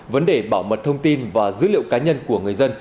vấn đề bảo mật thông tin và dữ liệu cá nhân của người dân